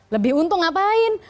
lebih untung ngapain